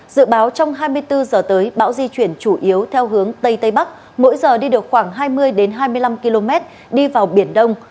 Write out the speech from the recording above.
dự báo trong hai mươi bốn giờ tới bão di chuyển chủ yếu theo hướng tây tây bắc mỗi giờ đi được khoảng hai mươi hai mươi năm km đi vào biển đông